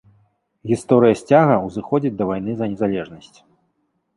Гісторыя сцяга ўзыходзіць да вайны за незалежнасць.